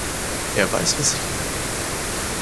Er weiß, was sich gehört.